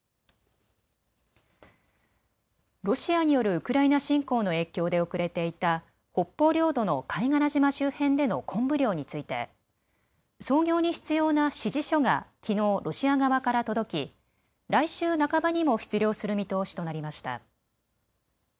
ロシアによるウクライナ侵攻の影響で遅れていた北方領土の貝殻島周辺でのコンブ漁について操業に必要な指示書がきのうロシア側から届き来週半ばにも出漁する見通しとなりました。